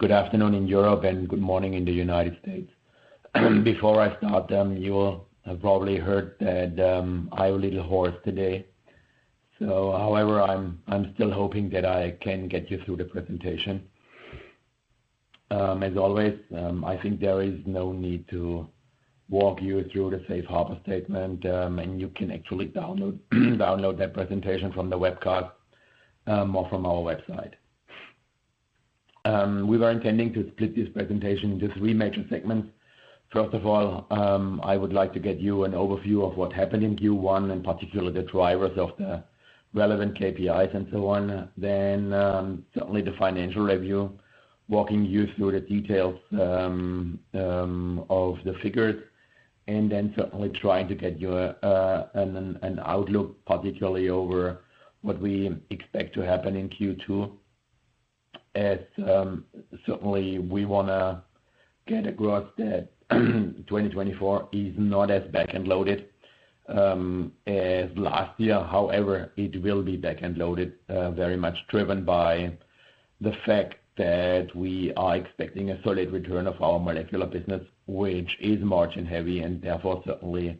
Good afternoon in Europe and good morning in the United States. Before I start, you will have probably heard that I'm a little hoarse today. However, I'm still hoping that I can get you through the presentation. As always, I think there is no need to walk you through the Safe Harbor Statement, and you can actually download that presentation from the webcast or from our website. We were intending to split this presentation into three major segments. First of all, I would like to get you an overview of what happened in Q1, in particular the drivers of the relevant KPIs and so on. Then certainly the financial review, walking you through the details of the figures, and then certainly trying to get you an outlook, particularly over what we expect to happen in Q2. Certainly, we want to get across that 2024 is not as back-end loaded as last year. However, it will be back-end loaded, very much driven by the fact that we are expecting a solid return of our molecular business, which is margin-heavy, and therefore certainly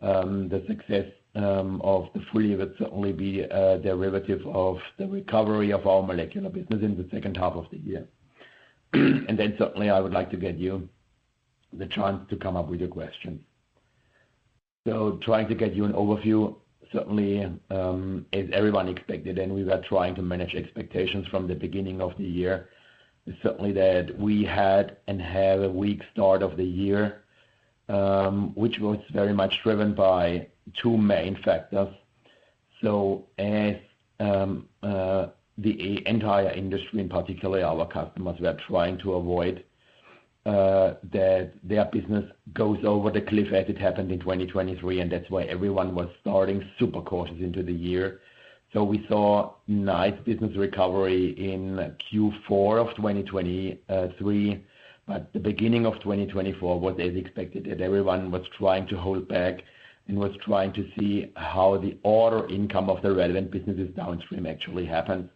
the success of the full year would certainly be a derivative of the recovery of our molecular business in the second half of the year. And then certainly, I would like to get you the chance to come up with your questions. So trying to get you an overview, certainly, as everyone expected, and we were trying to manage expectations from the beginning of the year, certainly that we had and have a weak start of the year, which was very much driven by two main factors. So as the entire industry, in particular our customers, were trying to avoid that their business goes over the cliff as it happened in 2023, and that's why everyone was starting super cautious into the year. So we saw nice business recovery in Q4 of 2023, but the beginning of 2024 was as expected, that everyone was trying to hold back and was trying to see how the order income of the relevant businesses downstream actually happens.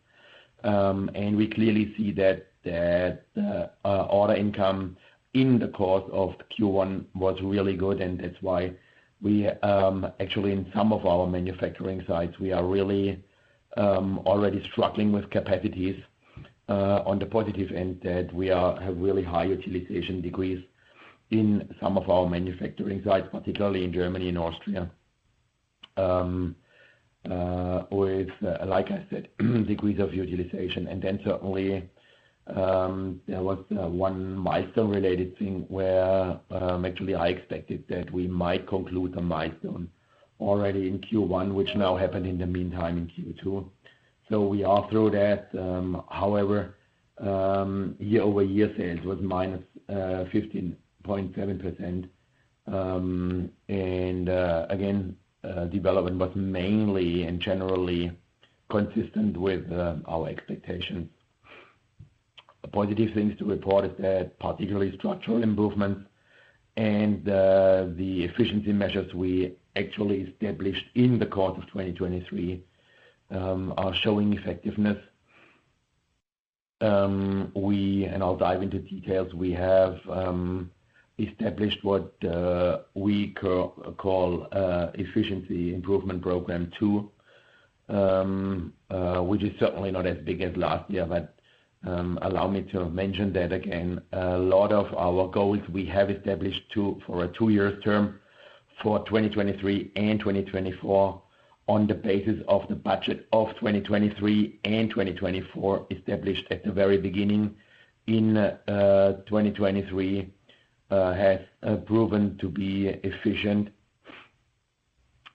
And we clearly see that the order income in the course of Q1 was really good, and that's why we actually, in some of our manufacturing sites, we are really already struggling with capacities on the positive end, that we have really high utilization degrees in some of our manufacturing sites, particularly in Germany and Austria, with, like I said, degrees of utilization. And then certainly, there was one milestone-related thing where actually I expected that we might conclude the milestone already in Q1, which now happened in the meantime in Q2. So we are through that. However, year-over-year sales was -15.7%. And again, development was mainly and generally consistent with our expectations. Positive things to report is that particularly structural improvements and the efficiency measures we actually established in the course of 2023 are showing effectiveness. And I'll dive into details. We have established what we call Efficiency Improvement Program Two, which is certainly not as big as last year, but allow me to mention that again. A lot of our goals we have established for a two-year term for 2023 and 2024 on the basis of the budget of 2023 and 2024 established at the very beginning in 2023 has proven to be efficient.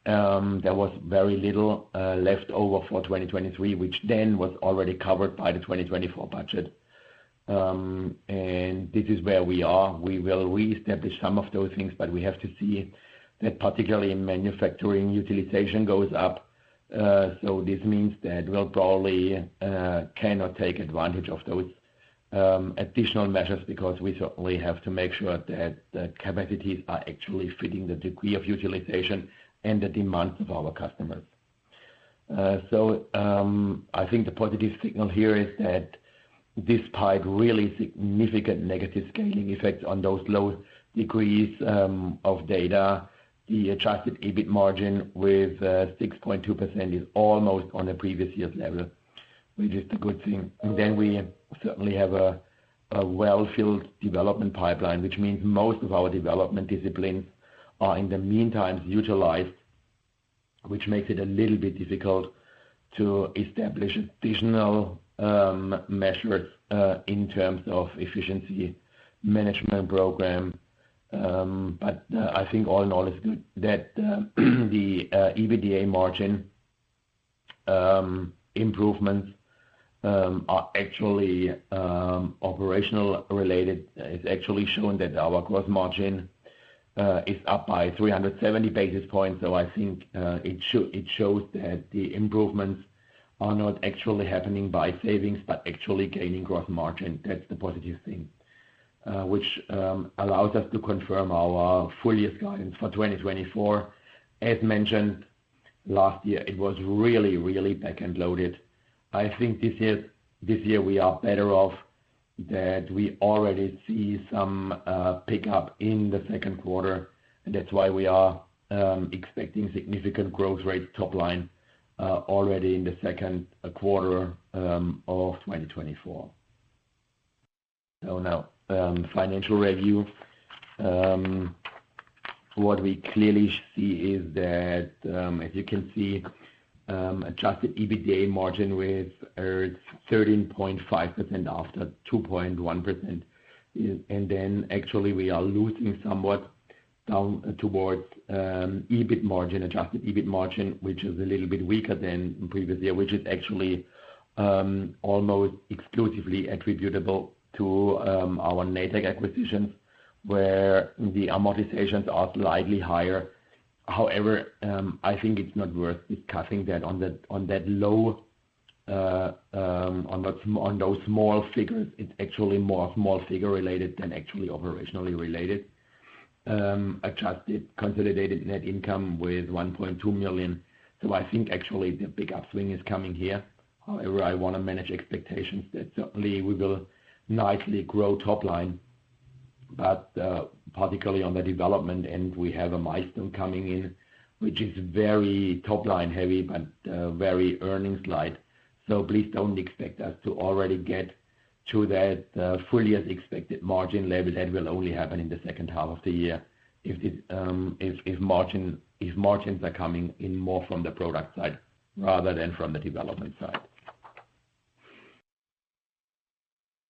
There was very little left over for 2023, which then was already covered by the 2024 budget. This is where we are. We will reestablish some of those things, but we have to see that particularly manufacturing utilization goes up. So this means that we'll probably cannot take advantage of those additional measures because we certainly have to make sure that the capacities are actually fitting the degree of utilization and the demands of our customers. So I think the positive signal here is that despite really significant negative scaling effects on those low degrees of utilization, the Adjusted EBIT margin with 6.2% is almost on the previous year's level, which is a good thing. Then we certainly have a well-filled development pipeline, which means most of our development disciplines are in the meantime utilized, which makes it a little bit difficult to establish additional measures in terms of efficiency management program. I think all in all it's good that the EBITDA margin improvements are actually operational-related. It's actually shown that our gross margin is up by 370 basis points. I think it shows that the improvements are not actually happening by savings, but actually gaining gross margin. That's the positive thing, which allows us to confirm our full year's guidance for 2024. As mentioned, last year, it was really, really back-end loaded. I think this year we are better off that we already see some pickup in the second quarter, and that's why we are expecting significant growth rate topline already in the second quarter of 2024. Now, financial review. What we clearly see is that, as you can see, adjusted EBITDA margin was 13.5% after 2.1%. And then actually, we are losing somewhat down towards adjusted EBIT margin, which is a little bit weaker than previous year, which is actually almost exclusively attributable to our Natech acquisitions, where the amortizations are slightly higher. However, I think it's not worth discussing that on that low on those small figures, it's actually more small figure-related than actually operationally related. Adjusted consolidated net income was 1.2 million. So I think actually the big upswing is coming here. However, I want to manage expectations that certainly we will nicely grow topline, but particularly on the development end, we have a milestone coming in, which is very topline-heavy, but very earnings-light. So please don't expect us to already get to that full year's expected margin level. That will only happen in the second half of the year if margins are coming in more from the product side rather than from the development side.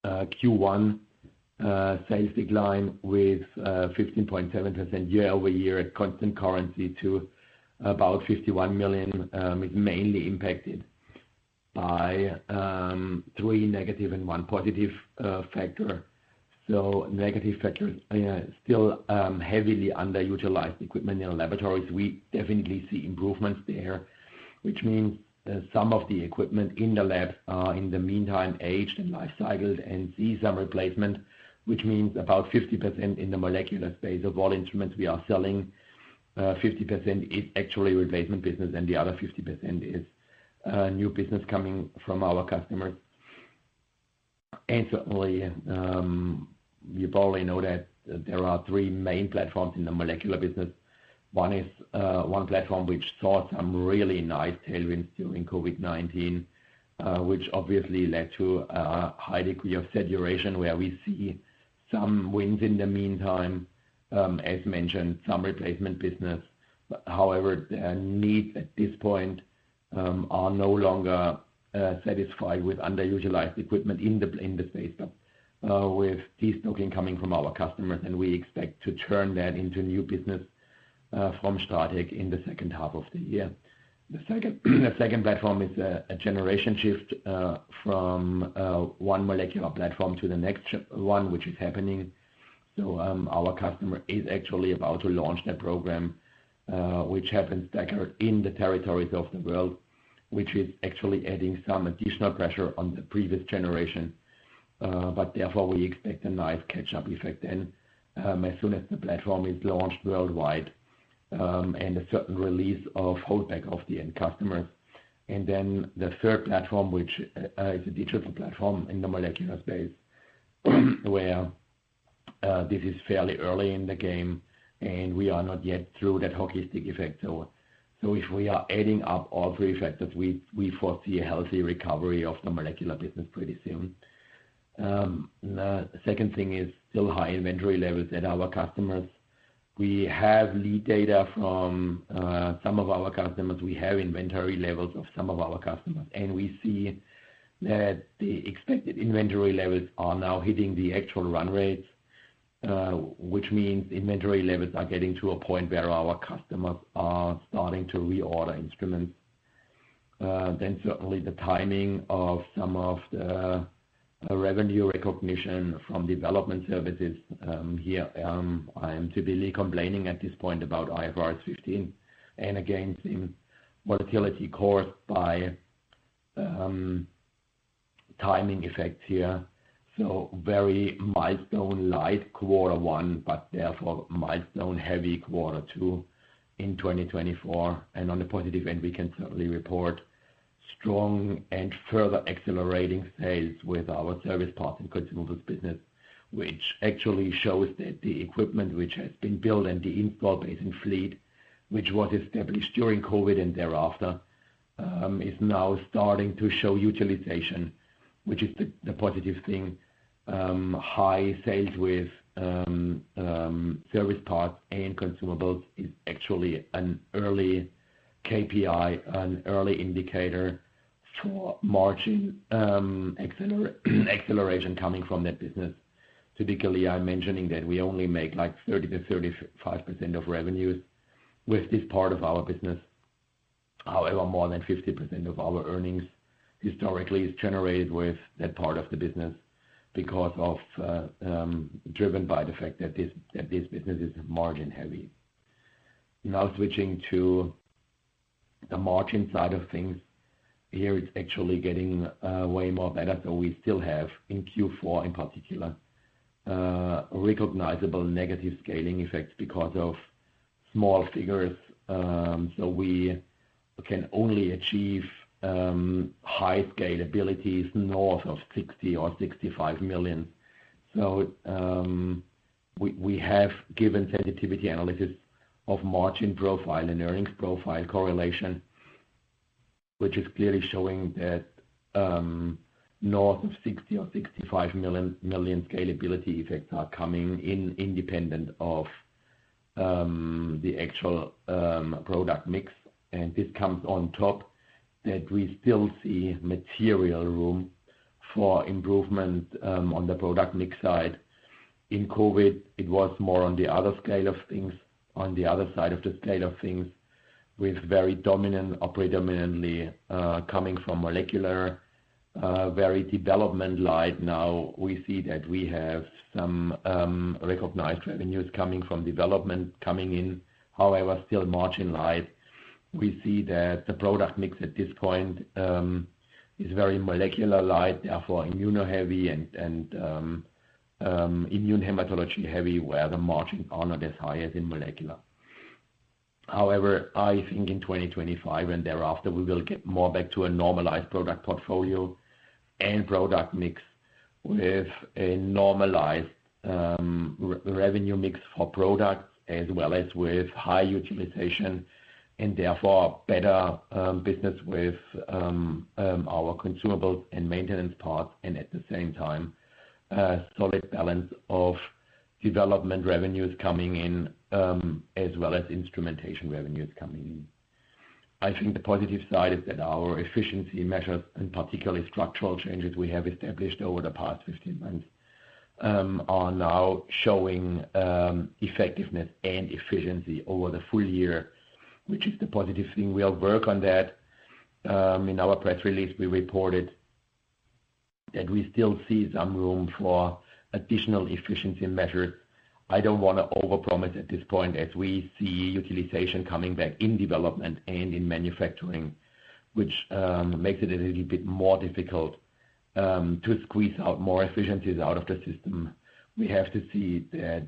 Q1 sales decline with 15.7% year-over-year at constant currency to about 51 million is mainly impacted by three negative and one positive factor. So negative factors still heavily underutilized equipment in laboratories. We definitely see improvements there, which means some of the equipment in the labs are in the meantime aged and life-cycled and see some replacement, which means about 50% in the molecular space of all instruments we are selling, 50% is actually replacement business, and the other 50% is new business coming from our customers. And certainly, you probably know that there are three main platforms in the molecular business. One platform which saw some really nice tailwinds during COVID-19, which obviously led to a high degree of saturation where we see some wins in the meantime. As mentioned, some replacement business. However, the needs at this point are no longer satisfied with underutilized equipment in the space. But with destocking coming from our customers, then we expect to turn that into new business from STRATEC in the second half of the year. The second platform is a generation shift from one molecular platform to the next one, which is happening. So our customer is actually about to launch that program, which happens in the territories of the world, which is actually adding some additional pressure on the previous generation. But therefore, we expect a nice catch-up effect then as soon as the platform is launched worldwide and a certain release of holdback of the end customers. And then the third platform, which is a digital platform in the molecular space, where this is fairly early in the game, and we are not yet through that hockey stick effect. So if we are adding up all three factors, we foresee a healthy recovery of the molecular business pretty soon. The second thing is still high inventory levels at our customers. We have lead data from some of our customers. We have inventory levels of some of our customers, and we see that the expected inventory levels are now hitting the actual run rates, which means inventory levels are getting to a point where our customers are starting to reorder instruments. Then certainly, the timing of some of the revenue recognition from development services here, I am typically complaining at this point about IFRS 15 and against volatility caused by timing effects here. So very milestone-light quarter one, but therefore milestone-heavy quarter two in 2024. And on the positive end, we can certainly report strong and further accelerating sales with our service parts and consumables business, which actually shows that the equipment which has been built and the installed base fleet, which was established during COVID and thereafter, is now starting to show utilization, which is the positive thing. High sales with service parts and consumables is actually an early KPI, an early indicator for margin acceleration coming from that business. Typically, I'm mentioning that we only make 30%-35% of revenues with this part of our business. However, more than 50% of our earnings historically is generated with that part of the business because of driven by the fact that this business is margin-heavy. Now switching to the margin side of things here, it's actually getting way more better. So we still have in Q4 in particular, recognizable negative scaling effects because of small figures. So we can only achieve high scalabilities north of 60 million or 65 million. So we have given sensitivity analysis of margin profile and earnings profile correlation, which is clearly showing that north of 60 million or 65 million scalability effects are coming independent of the actual product mix. And this comes on top that we still see material room for improvement on the product mix side. In COVID, it was more on the other scale of things, on the other side of the scale of things, with very predominantly coming from molecular, very development-light. Now we see that we have some recognized revenues coming from development coming in. However, still margin-light, we see that the product mix at this point is very molecular-light, therefore immuno-heavy and immunohematology-heavy, where the margins are not as high as in molecular. However, I think in 2025 and thereafter, we will get more back to a normalized product portfolio and product mix with a normalized revenue mix for products as well as with high utilization and therefore better business with our consumables and maintenance parts and at the same time, solid balance of development revenues coming in as well as instrumentation revenues coming in. I think the positive side is that our efficiency measures and particularly structural changes we have established over the past 15 months are now showing effectiveness and efficiency over the full year, which is the positive thing. We'll work on that. In our press release, we reported that we still see some room for additional efficiency measures. I don't want to overpromise at this point as we see utilization coming back in development and in manufacturing, which makes it a little bit more difficult to squeeze out more efficiencies out of the system. We have to see that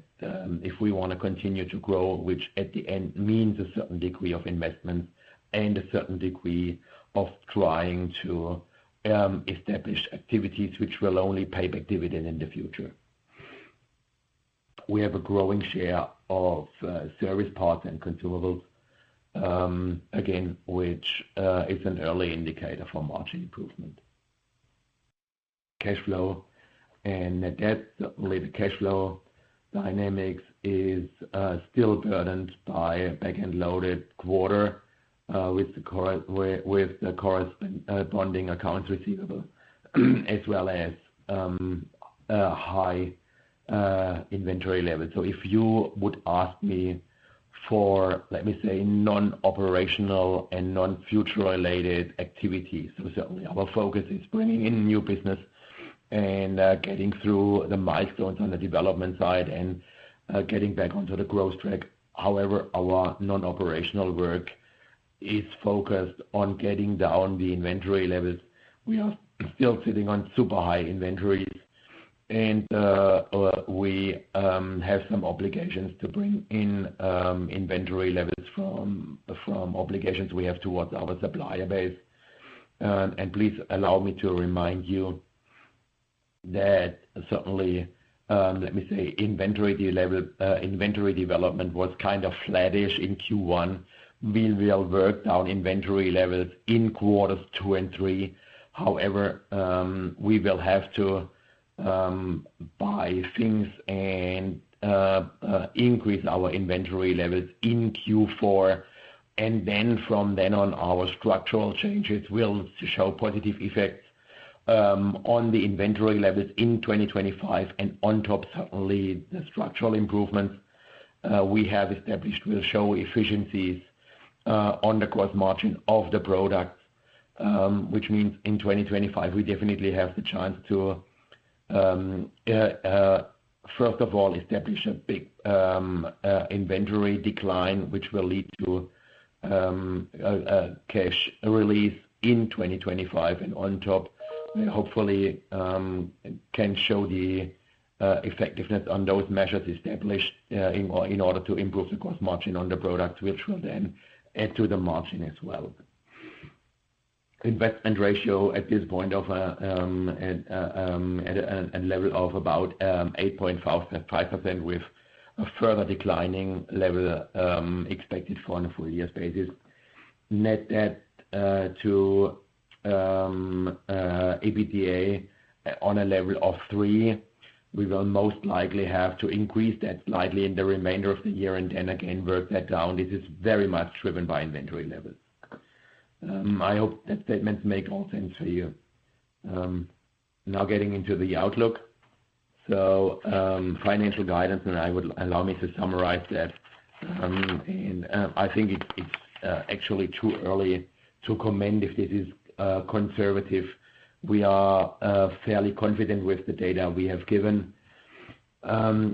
if we want to continue to grow, which at the end means a certain degree of investments and a certain degree of trying to establish activities which will only pay back dividend in the future. We have a growing share of service parts and consumables, again, which is an early indicator for margin improvement. Cash flow. And that certainly the cash flow dynamics is still burdened by back-end loaded quarter with the corresponding accounts receivable as well as high inventory levels. If you would ask me for, let me say, non-operational and non-future-related activities, certainly our focus is bringing in new business and getting through the milestones on the development side and getting back onto the growth track. However, our non-operational work is focused on getting down the inventory levels. We are still sitting on super high inventories, and we have some obligations to bring in inventory levels from obligations we have towards our supplier base. Please allow me to remind you that certainly, let me say, inventory development was kind of flat-ish in Q1. We will work down inventory levels in quarters two and three. However, we will have to buy things and increase our inventory levels in Q4. Then from then on, our structural changes will show positive effects on the inventory levels in 2025. And on top, certainly, the structural improvements we have established will show efficiencies on the gross margin of the product, which means in 2025, we definitely have the chance to, first of all, establish a big inventory decline, which will lead to a cash release in 2025. And on top, hopefully, can show the effectiveness on those measures established in order to improve the gross margin on the products, which will then add to the margin as well. Investment ratio at this point of at a level of about 8.5% with a further declining level expected for on a full year's basis. Net debt to EBITDA on a level of 3, we will most likely have to increase that slightly in the remainder of the year and then again work that down. This is very much driven by inventory levels. I hope that statements make all sense for you. Now getting into the outlook. So financial guidance, and I would allow me to summarize that. I think it's actually too early to comment if this is conservative. We are fairly confident with the data we have given,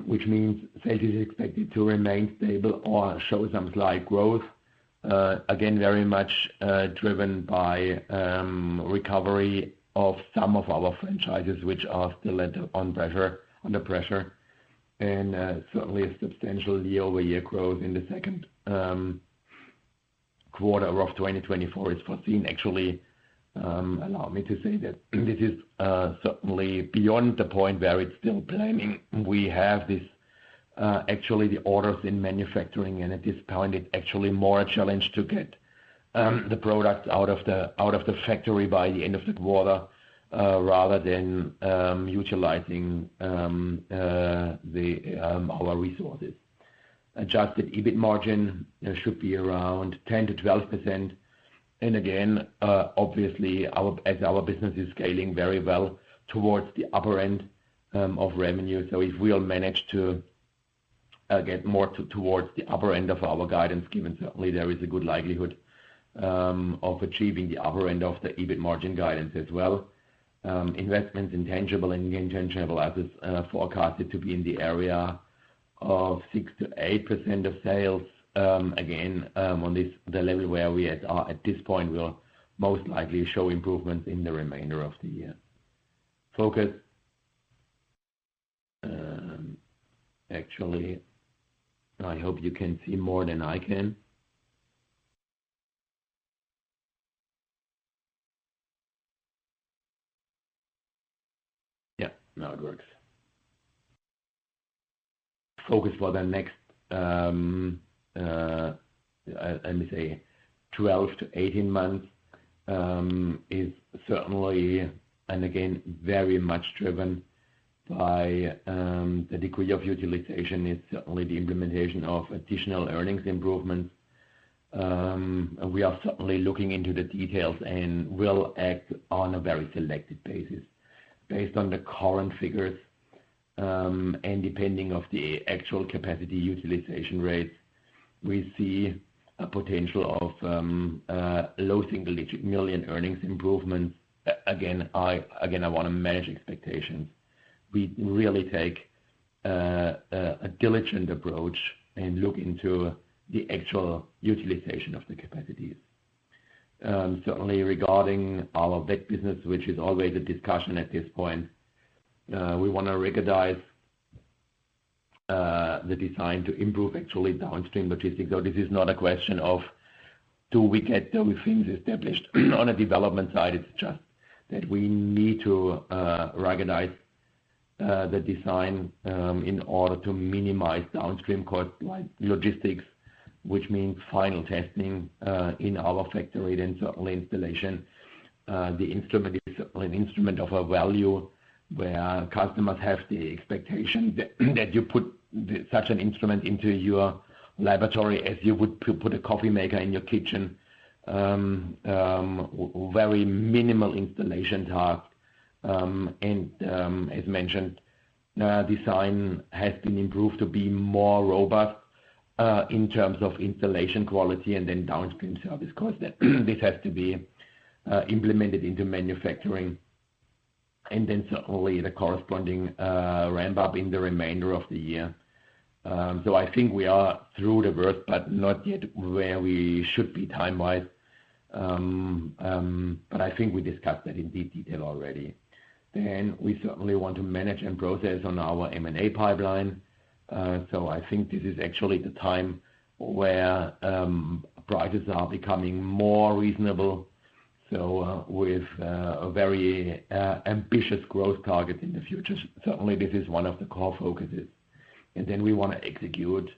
which means sales is expected to remain stable or show some slight growth. Again, very much driven by recovery of some of our franchises, which are still under pressure. And certainly, a substantial year-over-year growth in the second quarter of 2024 is foreseen. Actually, allow me to say that this is certainly beyond the point where it's still planning. We have actually the orders in manufacturing, and at this point, it's actually more a challenge to get the products out of the factory by the end of the quarter rather than utilizing our resources. Adjusted EBIT margin should be around 10%-12%. Again, obviously, as our business is scaling very well towards the upper end of revenue, so if we'll manage to get more towards the upper end of our guidance, given certainly there is a good likelihood of achieving the upper end of the EBIT margin guidance as well. Investments in tangible and intangible assets forecasted to be in the area of 6%-8% of sales. Again, on the level where we are at this point, we'll most likely show improvements in the remainder of the year. Focus. Actually, I hope you can see more than I can. Yeah. Now it works. Focus for the next, let me say, 12-18 months is certainly, and again, very much driven by the degree of utilization. It's certainly the implementation of additional earnings improvements. We are certainly looking into the details and will act on a very selected basis. Based on the current figures and depending on the actual capacity utilization rates, we see a potential of low single-digit million EUR earnings improvements. Again, I want to manage expectations. We really take a diligent approach and look into the actual utilization of the capacities. Certainly, regarding our Veterinary business, which is always a discussion at this point, we want to recognize the design to improve actually downstream logistics. So this is not a question of do we get those things established on a development side. It's just that we need to recognize the design in order to minimize downstream costs like logistics, which means final testing in our factory and certainly installation. The instrument is certainly an instrument of a value where customers have the expectation that you put such an instrument into your laboratory as you would put a coffee maker in your kitchen. Very minimal installation task. As mentioned, design has been improved to be more robust in terms of installation quality and then downstream service costs. This has to be implemented into manufacturing. Certainly, the corresponding ramp-up in the remainder of the year. So I think we are through the worst, but not yet where we should be time-wise. But I think we discussed that in detail already. We certainly want to make progress on our M&A pipeline. So I think this is actually the time where prices are becoming more reasonable. So with a very ambitious growth target in the future, certainly, this is one of the core focuses. We want to execute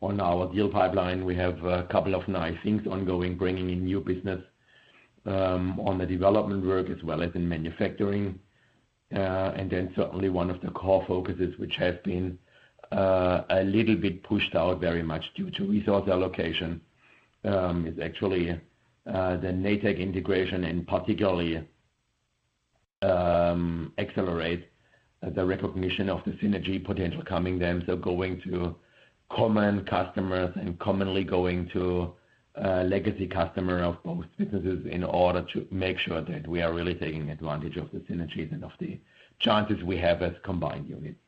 on our deal pipeline. We have a couple of nice things ongoing, bringing in new business on the development work as well as in manufacturing. And then certainly, one of the core focuses, which has been a little bit pushed out very much due to resource allocation, is actually the Natech integration and particularly accelerate the recognition of the synergy potential coming there. So going to common customers and commonly going to legacy customers of both businesses in order to make sure that we are really taking advantage of the synergies and of the chances we have as combined units.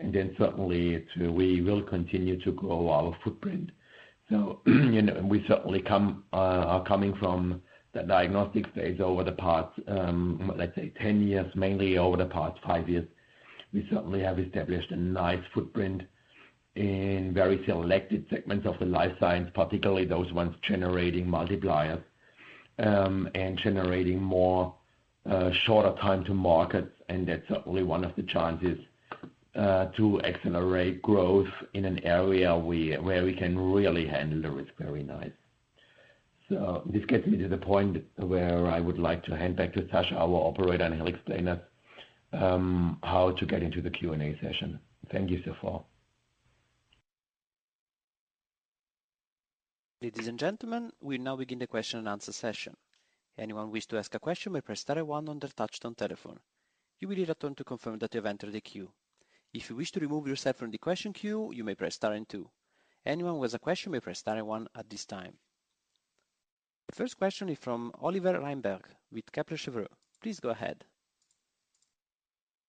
And then certainly, we will continue to grow our footprint. So we certainly are coming from the diagnostic phase over the past, let's say, 10 years, mainly over the past 5 years. We certainly have established a nice footprint in very selected segments of the life science, particularly those ones generating multipliers and generating more shorter time to markets. That's certainly one of the chances to accelerate growth in an area where we can really handle the risk very nice. So this gets me to the point where I would like to hand back to Sascha, our operator, and he'll explain us how to get into the Q&A session. Thank you so far. Ladies and gentlemen, we will now begin the question and answer session. Anyone wish to ask a question may press star 1 on their touch-tone telephone. You will hear a tone to confirm that you have entered the queue. If you wish to remove yourself from the question queue, you may press star two. Anyone who has a question may press star 1 at this time. The first question is from Oliver Reinberg with Kepler Cheuvreux. Please go ahead.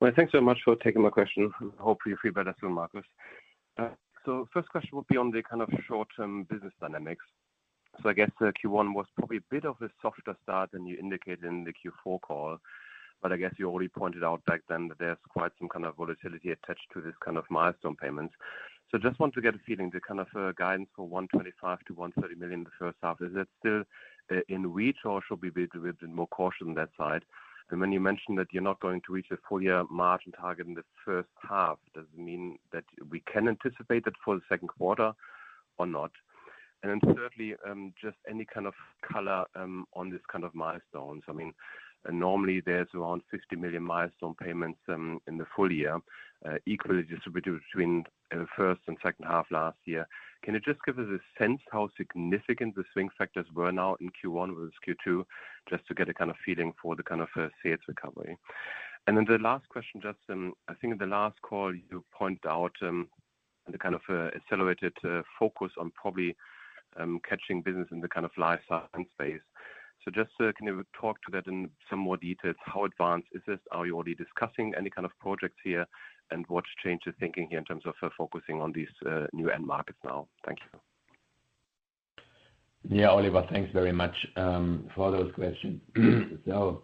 Well, thanks so much for taking my question. Hopefully, you feel better soon, Marcus. First question will be on the kind of short-term business dynamics. I guess Q1 was probably a bit of a softer start than you indicated in the Q4 call. But I guess you already pointed out back then that there's quite some kind of volatility attached to this kind of milestone payments. So I just want to get a feeling, the kind of guidance for 125 million-130 million the first half, is that still in reach, or should we be a little bit more cautious on that side? And when you mentioned that you're not going to reach the full-year margin target in the first half, does it mean that we can anticipate that for the second quarter or not? And then thirdly, just any kind of color on this kind of milestones. I mean, normally, there's around 50 million milestone payments in the full year, equally distributed between first and second half last year. Can you just give us a sense how significant the swing factors were now in Q1 versus Q2, just to get a kind of feeling for the kind of sales recovery? And then the last question, just on, I think in the last call, you pointed out the kind of accelerated focus on probably catching business in the kind of life science space. So just can you talk to that in some more details? How advanced is this? Are you already discussing any kind of projects here, and what's changed your thinking here in terms of focusing on these new end markets now? Thank you. Yeah, Oliver, thanks very much for those questions. So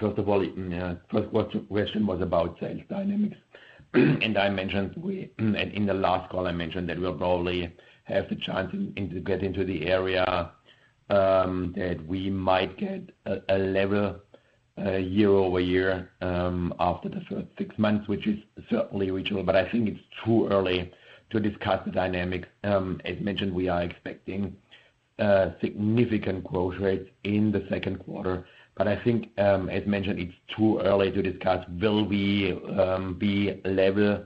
first of all, the first question was about sales dynamics. And I mentioned in the last call, I mentioned that we'll probably have the chance to get into the area that we might get a level year-over-year after the first six months, which is certainly reachable. But I think it's too early to discuss the dynamics. As mentioned, we are expecting significant growth rates in the second quarter. But I think, as mentioned, it's too early to discuss, will we be level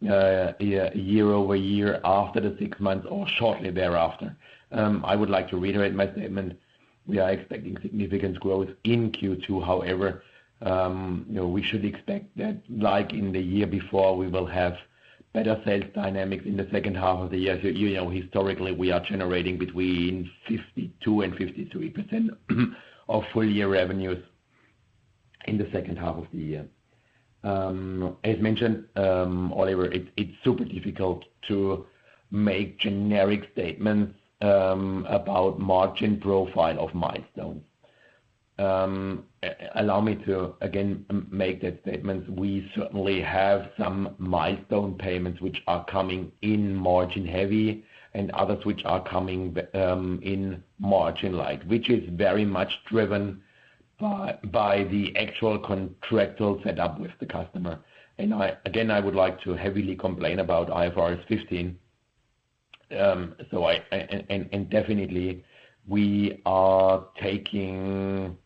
year-over-year after the six months or shortly thereafter? I would like to reiterate my statement. We are expecting significant growth in Q2. However, we should expect that like in the year before, we will have better sales dynamics in the second half of the year. Historically, we are generating between 52%-53% of full-year revenues in the second half of the year. As mentioned, Oliver, it's super difficult to make generic statements about margin profile of milestones. Allow me to, again, make that statement. We certainly have some milestone payments which are coming in margin-heavy and others which are coming in margin-light, which is very much driven by the actual contractual setup with the customer. Again, I would like to heavily complain about IFRS 15. Definitely, we are trying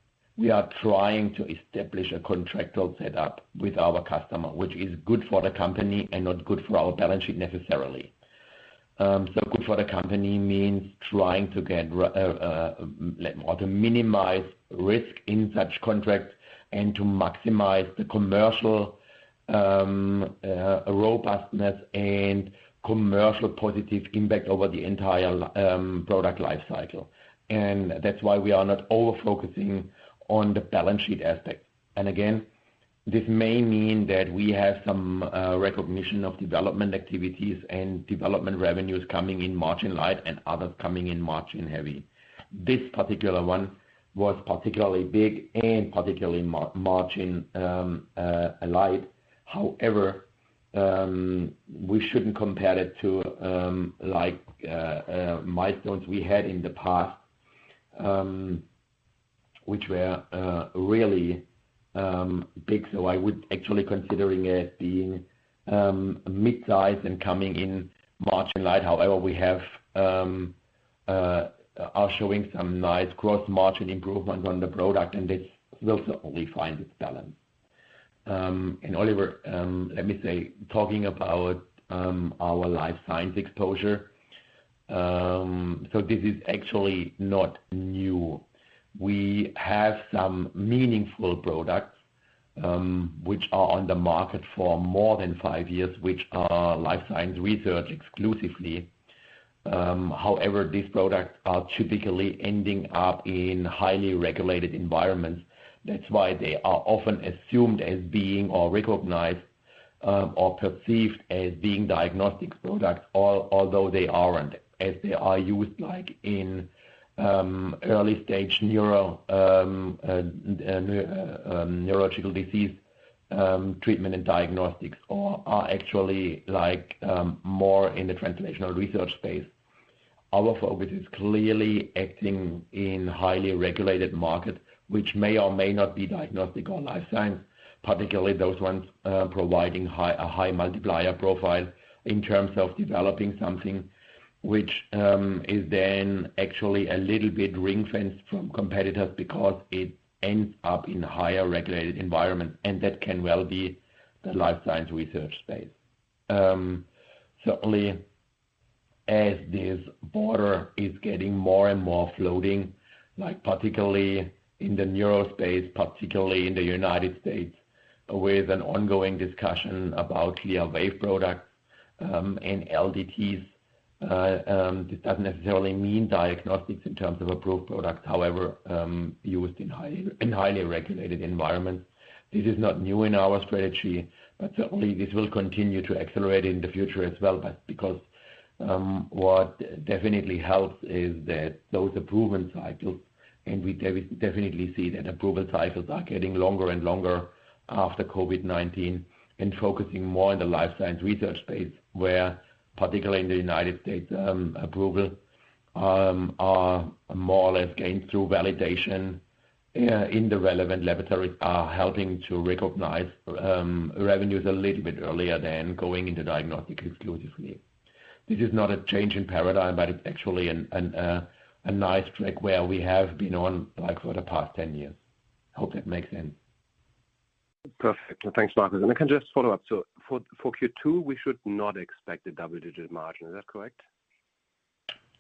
to establish a contractual setup with our customer, which is good for the company and not good for our balance sheet necessarily. Good for the company means trying to minimize risk in such contracts and to maximize the commercial robustness and commercial positive impact over the entire product lifecycle. That's why we are not over-focusing on the balance sheet aspect. Again, this may mean that we have some recognition of development activities and development revenues coming in margin-light and others coming in margin-heavy. This particular one was particularly big and particularly margin-light. However, we shouldn't compare it to milestones we had in the past, which were really big. So I would actually consider it being mid-size and coming in margin-light. However, we are showing some nice gross margin improvements on the product, and this will certainly find its balance. And Oliver, let me say, talking about our life science exposure. So this is actually not new. We have some meaningful products which are on the market for more than five years, which are life science research exclusively. However, these products are typically ending up in highly regulated environments. That's why they are often assumed as being or recognized or perceived as being diagnostic products, although they aren't, as they are used in early-stage neurological disease treatment and diagnostics or are actually more in the translational research space. Our focus is clearly acting in highly regulated markets, which may or may not be diagnostic or life science, particularly those ones providing a high multiplier profile in terms of developing something which is then actually a little bit ring-fenced from competitors because it ends up in higher regulated environments. That can well be the life science research space. Certainly, as this border is getting more and more floating, particularly in the neurospace, particularly in the United States, with an ongoing discussion about CLIA-waived products and LDTs, this doesn't necessarily mean diagnostics in terms of approved products, however, used in highly regulated environments. This is not new in our strategy, but certainly, this will continue to accelerate in the future as well. But because what definitely helps is that those approval cycles and we definitely see that approval cycles are getting longer and longer after COVID-19 and focusing more in the life science research space where, particularly in the United States, approvals are more or less gained through validation in the relevant laboratories, are helping to recognize revenues a little bit earlier than going into diagnostic exclusively. This is not a change in paradigm, but it's actually a nice track where we have been on for the past 10 years. Hope that makes sense. Perfect. And thanks, Marcus. And I can just follow up. So for Q2, we should not expect a double-digit margin. Is that correct?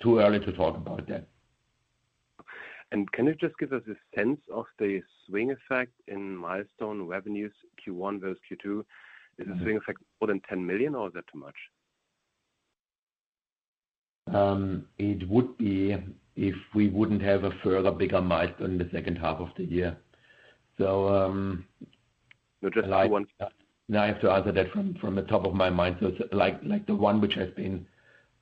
Too early to talk about that. Can you just give us a sense of the swing effect in milestone revenues Q1 versus Q2? Is the swing effect more than 10 million, or is that too much? It would be if we wouldn't have a further bigger milestone in the second half of the year. So I have to answer that from the top of my mind. So the one which has been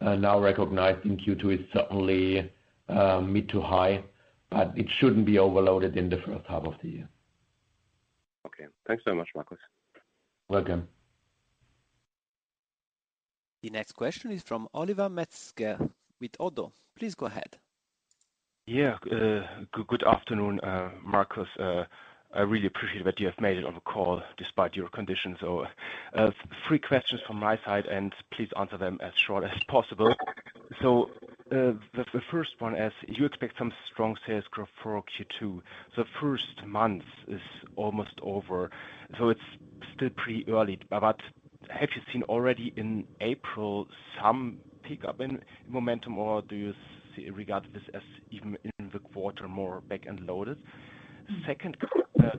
now recognized in Q2 is certainly mid to high, but it shouldn't be overloaded in the first half of the year. Okay. Thanks so much, Marcus. You're welcome. The next question is from Oliver Metzger with ODDO. Please go ahead. Yeah. Good afternoon, Marcus. I really appreciate that you have made it on the call despite your conditions. So three questions from my side, and please answer them as short as possible. So the first one is, you expect some strong sales growth for Q2. So the first month is almost over. So it's still pretty early. But have you seen already in April some pickup in momentum, or do you regard this as even in the quarter more back-end loaded? Second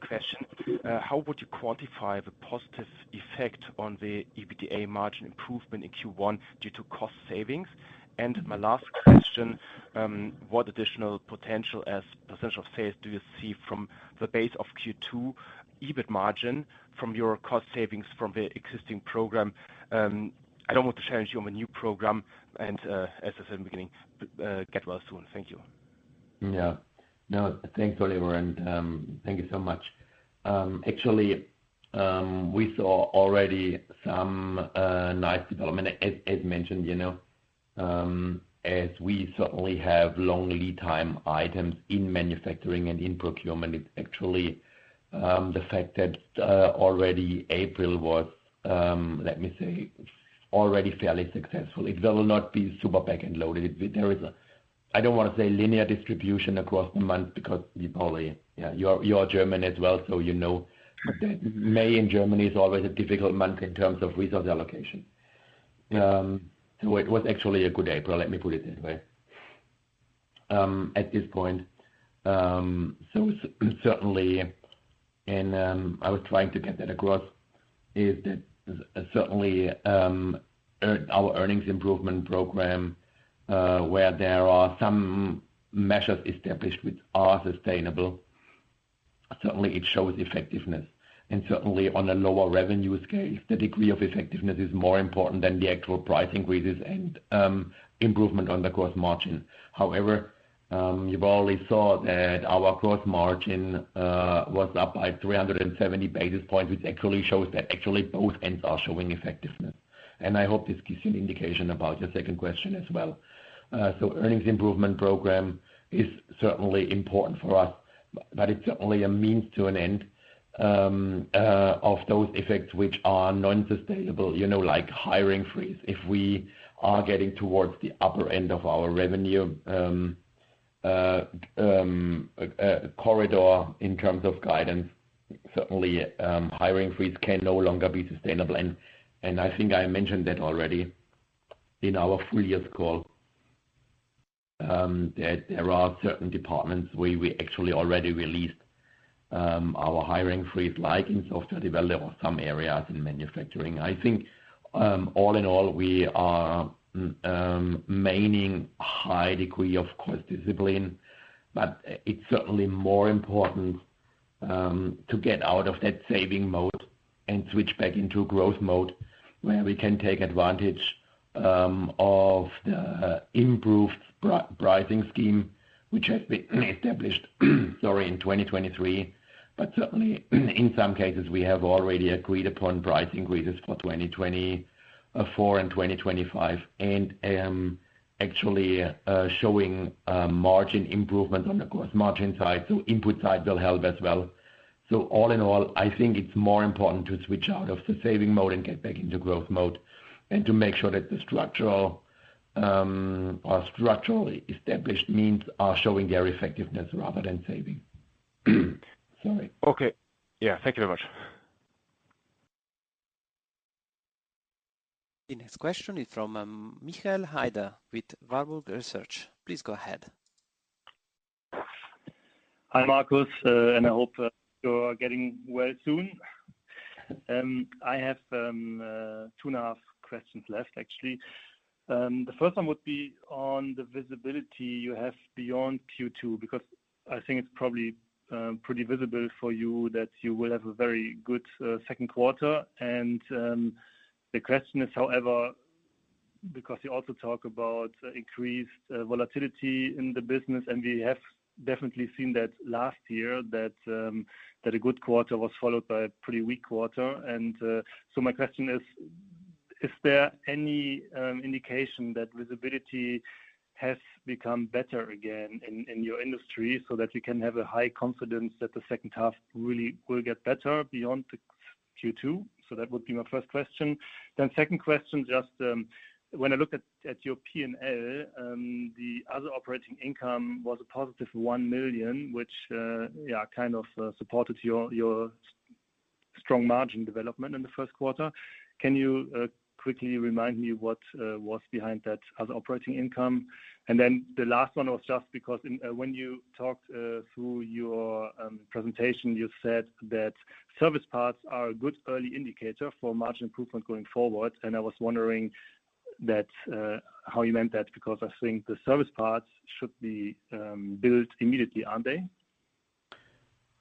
question, how would you quantify the positive effect on the EBITDA margin improvement in Q1 due to cost savings? And my last question, what additional potential as percentage of sales do you see from the base of Q2 EBIT margin from your cost savings from the existing program? I don't want to challenge you on the new program. And as I said in the beginning, get well soon. Thank you. Yeah. No, thanks, Oliver. And thank you so much. Actually, we saw already some nice development, as mentioned, as we certainly have long lead-time items in manufacturing and in procurement. It's actually the fact that already April was, let me say, already fairly successful. It will not be super back-end loaded. There is a I don't want to say linear distribution across the month because you probably yeah, you're German as well, so you know that May in Germany is always a difficult month in terms of resource allocation. So it was actually a good April. Let me put it that way at this point. So certainly, and I was trying to get that across, is that certainly, our earnings improvement program, where there are some measures established which are sustainable, certainly, it shows effectiveness. And certainly, on a lower revenue scale, the degree of effectiveness is more important than the actual price increases and improvement on the gross margin. However, you've already saw that our gross margin was up by 370 basis points, which actually shows that actually both ends are showing effectiveness. I hope this gives you an indication about your second question as well. Earnings improvement program is certainly important for us, but it's certainly a means to an end of those effects which are non-sustainable, like hiring freeze. If we are getting towards the upper end of our revenue corridor in terms of guidance, certainly, hiring freeze can no longer be sustainable. I think I mentioned that already in our full-year call that there are certain departments where we actually already released our hiring freeze in software development or some areas in manufacturing. I think all in all, we are maintaining a high degree of cost discipline, but it's certainly more important to get out of that saving mode and switch back into growth mode where we can take advantage of the improved pricing scheme, which has been established, sorry, in 2023. But certainly, in some cases, we have already agreed upon price increases for 2024 and 2025 and actually showing margin improvements on the gross margin side. So input side will help as well. So all in all, I think it's more important to switch out of the saving mode and get back into growth mode and to make sure that the structural or structurally established means are showing their effectiveness rather than saving. Sorry. Okay. Yeah. Thank you very much. The next question is from Michael Haider with Warburg Research. Please go ahead. Hi, Marcus. I hope you're getting well soon. I have two and a half questions left, actually. The first one would be on the visibility you have beyond Q2 because I think it's probably pretty visible for you that you will have a very good second quarter. The question is, however, because you also talk about increased volatility in the business, and we have definitely seen that last year that a good quarter was followed by a pretty weak quarter. So my question is, is there any indication that visibility has become better again in your industry so that we can have a high confidence that the second half really will get better beyond Q2? That would be my first question. Second question, just when I looked at your P&L, the other operating income was a positive 1 million, which, yeah, kind of supported your strong margin development in the first quarter. Can you quickly remind me what was behind that other operating income? And then the last one was just because when you talked through your presentation, you said that service parts are a good early indicator for margin improvement going forward. And I was wondering how you meant that because I think the service parts should be built immediately, aren't they?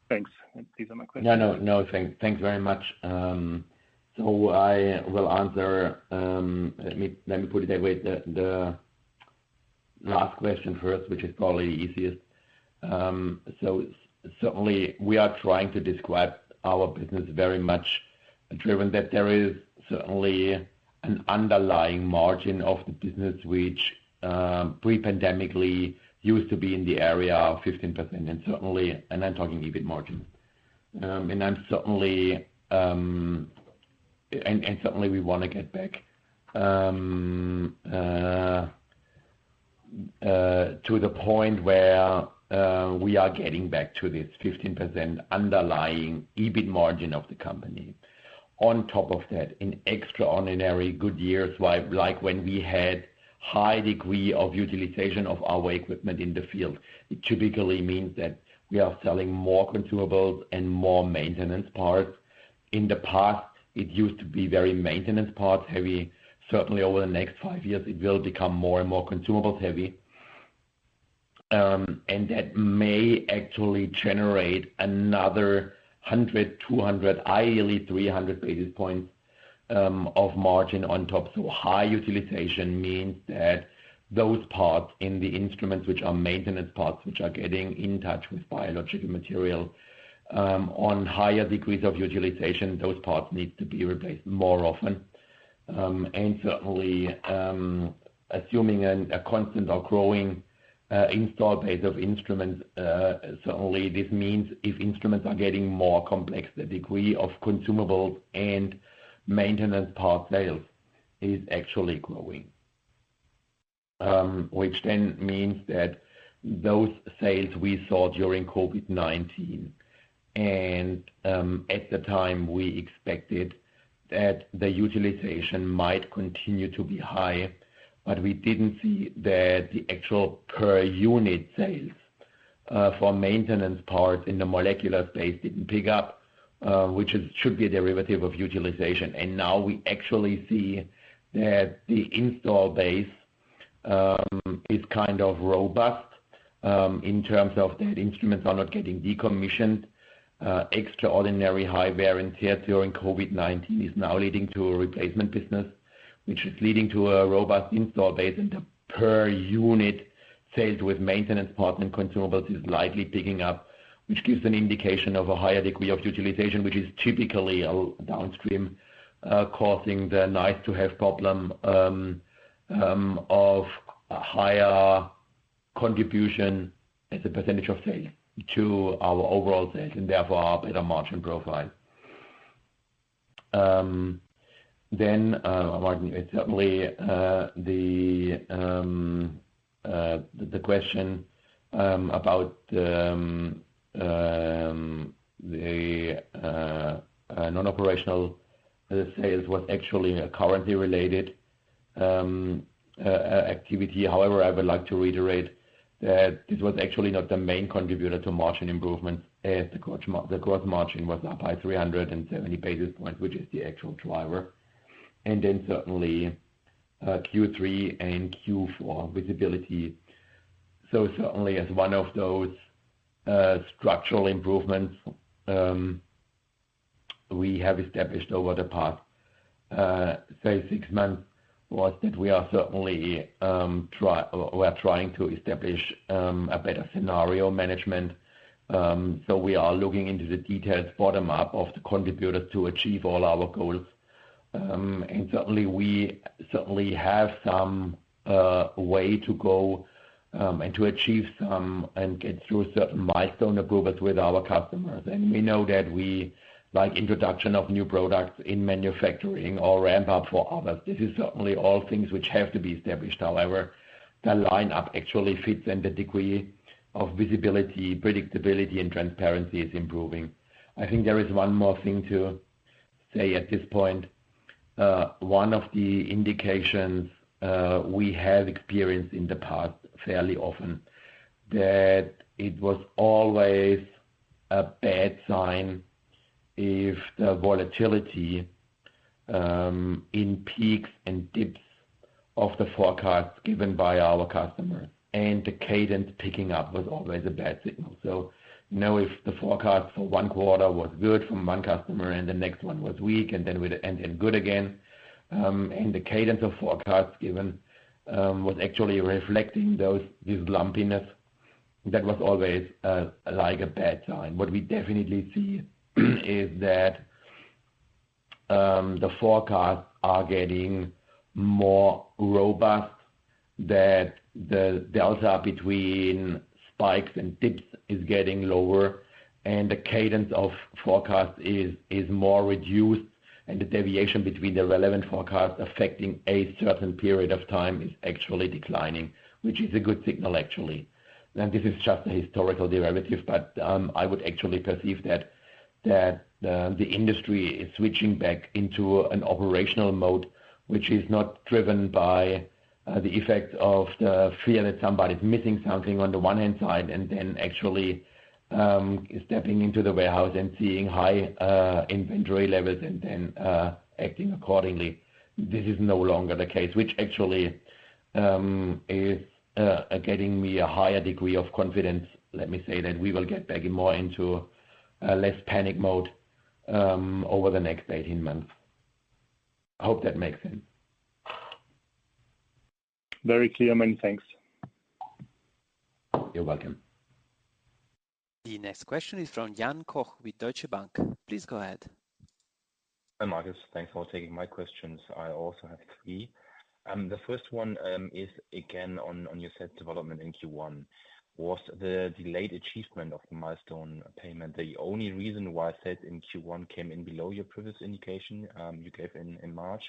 Thanks. These are my questions. No, no, no. Thanks very much. So I will answer, let me put it that way, the last question first, which is probably the easiest. So certainly, we are trying to describe our business very much driven that there is certainly an underlying margin of the business which pre-pandemically used to be in the area of 15%. And I'm talking EBIT margin. And certainly, we want to get back to the point where we are getting back to this 15% underlying EBIT margin of the company. On top of that, in extraordinary good years like when we had high degree of utilization of our equipment in the field, it typically means that we are selling more consumables and more maintenance parts. In the past, it used to be very maintenance parts-heavy. Certainly, over the next five years, it will become more and more consumables-heavy. And that may actually generate another 100, 200, ideally 300 basis points of margin on top. So high utilization means that those parts in the instruments, which are maintenance parts, which are getting in touch with biological material, on higher degrees of utilization, those parts need to be replaced more often. And certainly, assuming a constant or growing installed base of instruments, certainly, this means if instruments are getting more complex, the degree of consumables and maintenance part sales is actually growing, which then means that those sales we saw during COVID-19, and at the time, we expected that the utilization might continue to be high, but we didn't see that the actual per-unit sales for maintenance parts in the molecular space didn't pick up, which should be a derivative of utilization. And now we actually see that the installed base is kind of robust in terms of that instruments are not getting decommissioned. Extraordinary high wear and tear during COVID-19 is now leading to a replacement business, which is leading to a robust install base. And the per-unit sales with maintenance parts and consumables is slightly picking up, which gives an indication of a higher degree of utilization, which is typically downstream, causing the nice-to-have problem of higher contribution as a percentage of sales to our overall sales and therefore our better margin profile. Then, Martin, certainly, the question about the non-operational sales was actually a currency-related activity. However, I would like to reiterate that this was actually not the main contributor to margin improvements as the gross margin was up by 370 basis points, which is the actual driver. And then certainly, Q3 and Q4 visibility. So cdertainly, as one of those structural improvements we have established over the past, say, six months, was that we are certainly trying to establish a better scenario management. So we are looking into the detailed bottom-up of the contributors to achieve all our goals. And certainly, we certainly have some way to go and to achieve some and get through certain milestone approvals with our customers. And we know that we like introduction of new products in manufacturing or ramp-up for others. This is certainly all things which have to be established. However, the lineup actually fits, and the degree of visibility, predictability, and transparency is improving. I think there is one more thing to say at this point. One of the indications we have experienced in the past fairly often that it was always a bad sign if the volatility in peaks and dips of the forecast given by our customers and the cadence picking up was always a bad signal. So now if the forecast for one quarter was good from one customer and the next one was weak and then good again, and the cadence of forecasts given was actually reflecting this lumpiness, that was always a bad sign. What we definitely see is that the forecasts are getting more robust, that the delta between spikes and dips is getting lower, and the cadence of forecasts is more reduced, and the deviation between the relevant forecasts affecting a certain period of time is actually declining, which is a good signal, actually. Now, this is just a historical derivative, but I would actually perceive that the industry is switching back into an operational mode, which is not driven by the effect of the fear that somebody's missing something on the one-hand side and then actually stepping into the warehouse and seeing high inventory levels and then acting accordingly. This is no longer the case, which actually is getting me a higher degree of confidence. Let me say that we will get back more into less panic mode over the next 18 months. I hope that makes sense. Very clear. Many thanks. You're welcome. The next question is from Jan Koch with Deutsche Bank. Please go ahead. Hi, Marcus. Thanks for taking my questions. I also have three. The first one is, again, on your said development in Q1. Was the delayed achievement of the milestone payment the only reason why sales in Q1 came in below your previous indication you gave in March,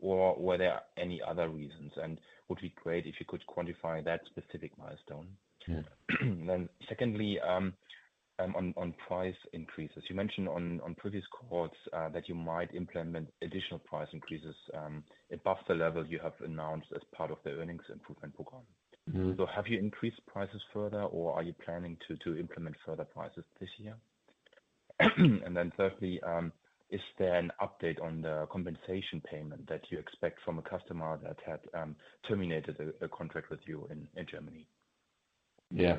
or were there any other reasons? And would be great if you could quantify that specific milestone. Then secondly, on price increases, you mentioned on previous calls that you might implement additional price increases above the level you have announced as part of the earnings improvement program. So have you increased prices further, or are you planning to implement further prices this year? And then thirdly, is there an update on the compensation payment that you expect from a customer that had terminated a contract with you in Germany? Yeah.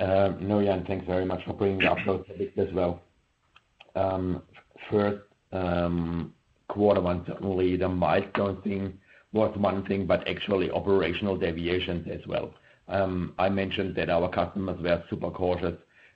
No, Jan, thanks very much for bringing the update as well. In Q1, certainly, the milestone thing was one thing, but actually operational deviations as well. I mentioned that our customers were super cautious,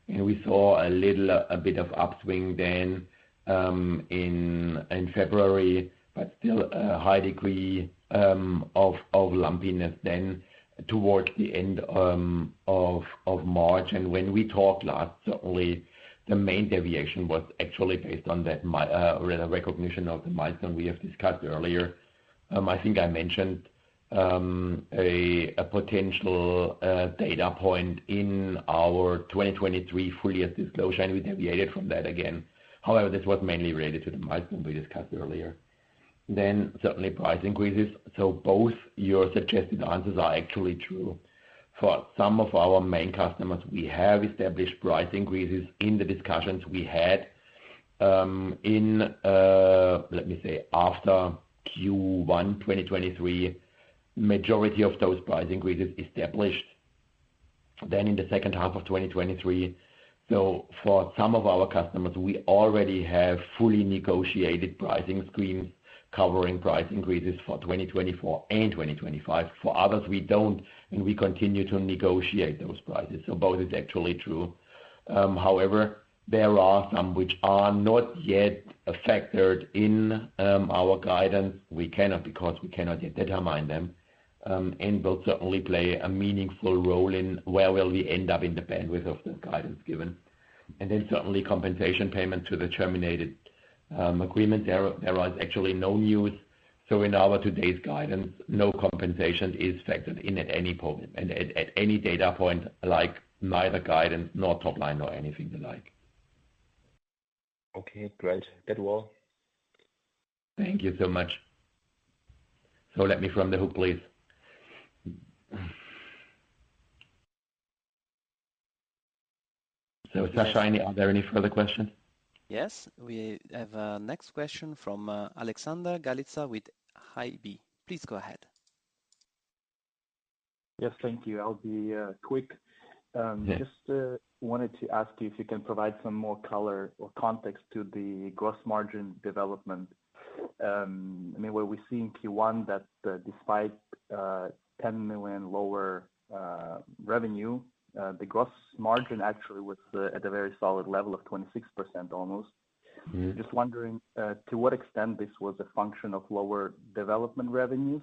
and we saw a little bit of upswing then in February, but still a high degree of lumpiness then towards the end of March. And when we talked last, certainly, the main deviation was actually based on that recognition of the milestone we have discussed earlier. I think I mentioned a potential data point in our 2023 full-year disclosure, and we deviated from that again. However, this was mainly related to the milestone we discussed earlier. Then certainly, price increases. So both your suggested answers are actually true. For some of our main customers, we have established price increases in the discussions we had in, let me say, after Q1 2023, majority of those price increases established then in the second half of 2023. So for some of our customers, we already have fully negotiated pricing schemes covering price increases for 2024 and 2025. For others, we don't, and we continue to negotiate those prices. So both is actually true. However, there are some which are not yet affected in our guidance. We cannot because we cannot yet determine them and will certainly play a meaningful role in where will we end up in the bandwidth of the guidance given. And then certainly, compensation payment to the terminated agreement, there is actually no news. So in our today's guidance, no compensation is factored in at any point and at any data point like neither guidance nor topline nor anything the like. Okay. Great. That will. Thank you so much. So let me off the hook, please. So Sascha, are there any further questions? Yes. We have a next question from Alexander Galitsa with HAIB. Please go ahead. Yes. Thank you. I'll be quick. Just wanted to ask you if you can provide some more color or context to the gross margin development. I mean, where we see in Q1 that despite 10 million lower revenue, the gross margin actually was at a very solid level of 26% almost. Just wondering to what extent this was a function of lower development revenues.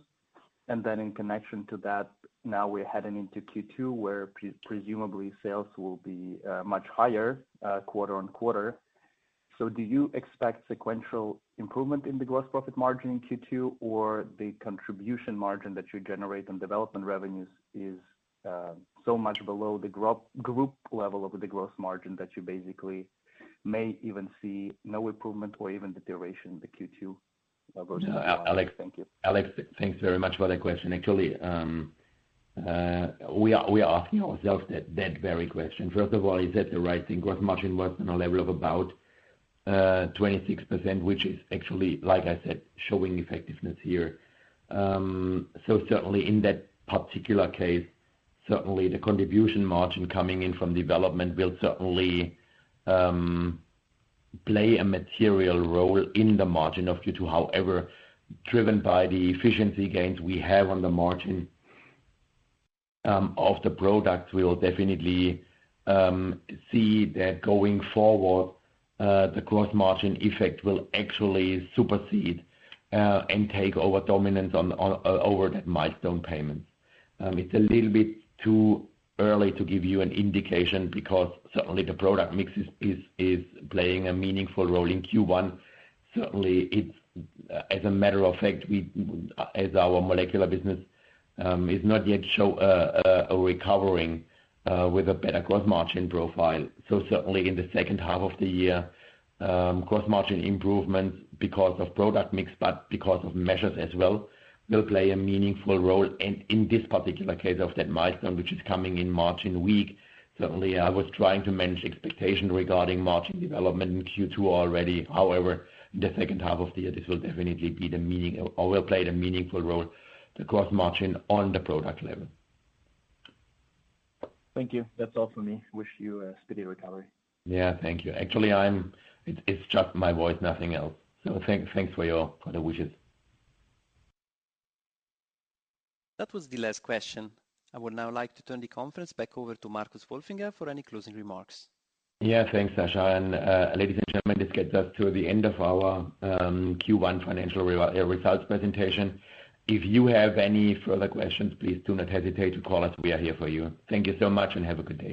And then in connection to that, now we're heading into Q2 where presumably sales will be much higher quarter-on-quarter. So do you expect sequential improvement in the gross profit margin in Q2, or the contribution margin that you generate on development revenues is so much below the group level of the gross margin that you basically may even see no improvement or even deterioration in the Q2 versus? No. Alex, thanks very much for that question. Actually, we are asking ourselves that very question. First of all, is that the right thing? Gross margin was on a level of about 26%, which is actually, like I said, showing effectiveness here. So certainly, in that particular case, certainly, the contribution margin coming in from development will certainly play a material role in the margin of Q2. However, driven by the efficiency gains we have on the margin of the products, we will definitely see that going forward, the gross margin effect will actually supersede and take over dominance over that milestone payment. It's a little bit too early to give you an indication because certainly, the product mix is playing a meaningful role in Q1. Certainly, as a matter of fact, as our molecular business is not yet showing a recovery with a better gross margin profile. So certainly, in the second half of the year, gross margin improvements because of product mix, but because of measures as well, will play a meaningful role. And in this particular case of that milestone, which is coming in margin-week, certainly, I was trying to manage expectation regarding margin development in Q2 already. However, in the second half of the year, this will definitely be the meaning or will play the meaningful role, the gross margin on the product level. Thank you. That's all from me. Wish you a speedy recovery. Yeah. Thank you. Actually, it's just my voice, nothing else. So thanks for the wishes. That was the last question. I would now like to turn the conference back over to Marcus Wolfinger for any closing remarks. Yeah. Thanks, Sascha. Ladies and gentlemen, this gets us to the end of our Q1 financial results presentation. If you have any further questions, please do not hesitate to call us. We are here for you. Thank you so much, and have a good day.